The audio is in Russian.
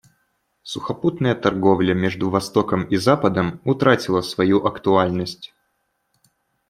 Сухопутная торговля между Востоком и Западом утратила свою актуальность.